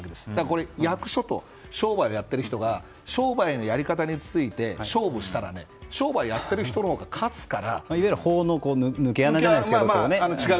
これ役所と商売をやっている人が商売のやり方について勝負したら、商売をやってる人のほうが勝つからいわゆる法の抜け穴じゃないですが。